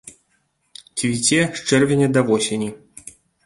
Цвіце з чэрвеня да восені.